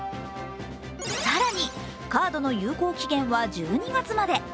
更にカードの有効期限は１２月まで。